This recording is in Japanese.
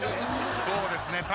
そうですね。